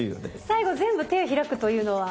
最後全部手を開くというのは？